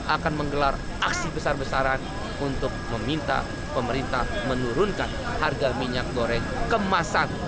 akan menggelar aksi besar besaran untuk meminta pemerintah menurunkan harga minyak goreng kemasan